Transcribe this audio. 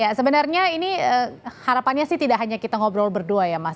ya sebenarnya ini harapannya sih tidak hanya kita ngobrol berdua ya mas